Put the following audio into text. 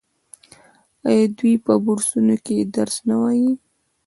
آیا دوی په بورسونو درس نه وايي؟